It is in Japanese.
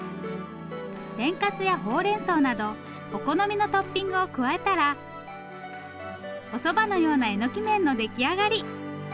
天かすやほうれんそうなどお好みのトッピングを加えたらおそばのようなえのき麺の出来上がり。